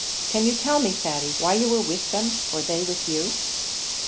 Can you tell me, Thady, why you were with them, or they were with you?"